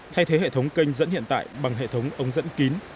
thay thế hệ thống kênh dẫn hiện tại bằng hệ thống ống dẫn kín